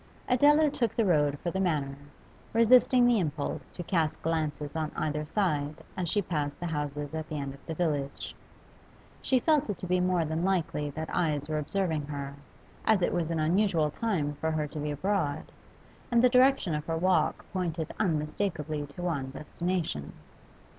Adela took the road for the Manor, resisting the impulse to cast glances on either side as she passed the houses at the end of the village. She felt it to be more than likely that eyes were observing her, as it was an unusual time for her to be abroad, and the direction of her walk pointed unmistakably to one destination.